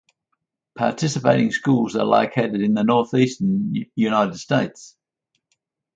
Participating schools are located in the Northeastern United States.